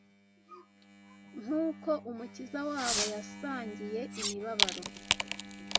nk’uko Umukiza wabo yasangiye imibabaro